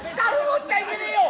樽持っちゃいけねえよ。